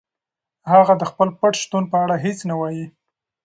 هغه د خپل پټ شتون په اړه هیڅ نه وايي.